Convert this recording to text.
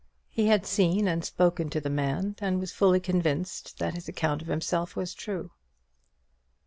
He had seen and spoken to the man, and was fully convinced that his account of himself was true.